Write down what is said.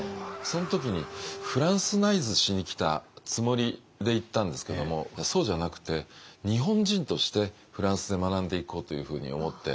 その時にフランスナイズしに来たつもりで行ったんですけどもそうじゃなくて日本人としてフランスで学んでいこうというふうに思って。